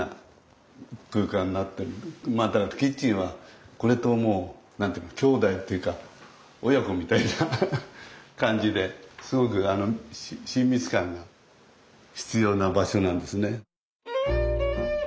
またキッチンはこれともう何て言うか兄弟というか親子みたいな感じですごく親密感が必要な場所なんですね。